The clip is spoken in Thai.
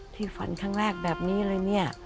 ฝันครั้งแรกแบบนี้เลยเนี่ย